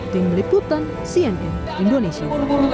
ting meliputan cnn indonesia